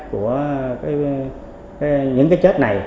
của những cái chết này